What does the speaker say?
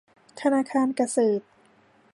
ธนาคารเกษตร